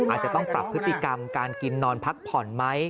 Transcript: อาจจะต้องปรับพฤติกรรมการกินนอนพักผ่อนไหม